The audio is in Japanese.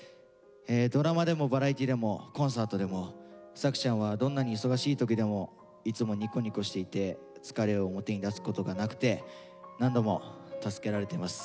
ドラマでもバラエティーでもコンサートでも作ちゃんはどんなに忙しい時でもいつもニコニコしていて疲れを表に出すことがなくて何度も助けられてます。